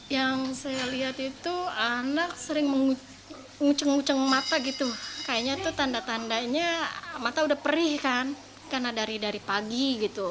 yang saya lihat itu anak sering nguceng uceng mata gitu kayaknya tuh tanda tandanya mata udah perih kan karena dari pagi gitu